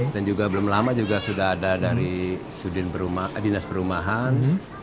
dan juga belum lama sudah ada dari dinas perumahan